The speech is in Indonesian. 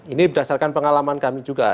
ini berdasarkan pengalaman kami juga